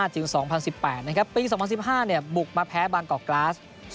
๒๐๑๕จึง๒๐๑๘ปี๒๐๑๕บุกมาแพ้บางกอกกร้า๐๓